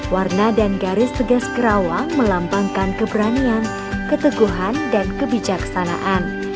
warna dan garis tegas kerawang melampangkan keberanian keteguhan dan kebijaksanaan